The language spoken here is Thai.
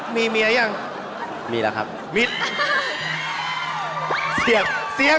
มีเมียรู้จักหรือยัง